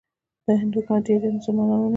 د هند حکومت ډېر زیات مسلمانان ونیول.